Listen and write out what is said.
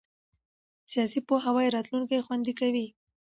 سیاسي پوهاوی راتلونکی خوندي کوي